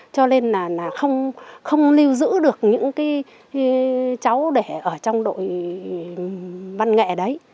cho nên là không lưu giữ được những cái cháu để ở trong đội văn nghệ đấy